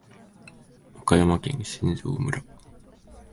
岡山県新庄村